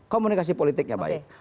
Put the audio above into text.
komunikasi politiknya baik